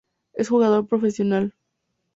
Es jugador profesional.